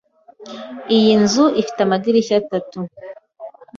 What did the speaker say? Iyi nzu ifite amadirishya atatu.